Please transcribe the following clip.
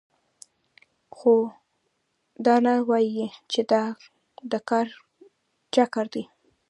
خو دا نه وايي چې دا د چا کار دی